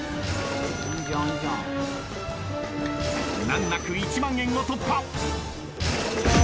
難なく１万円を突破。